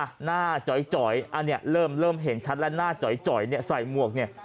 หน้าจอยอันนี้เริ่มเห็นชัดแล้วหน้าจอยเนี่ยใส่หมวกเนี่ย